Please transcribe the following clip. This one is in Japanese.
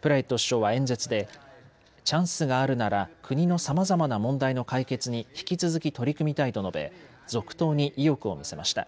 プラユット首相は演説でチャンスがあるなら国のさまざまな問題の解決に引き続き取り組みたいと述べ続投に意欲を見せました。